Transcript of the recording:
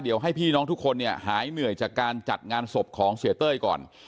เดี๋ยวให้พี่น้องทุกคนเนี่ยหายเหนื่อยจากการจัดงานศพของเสียเต้ยก่อน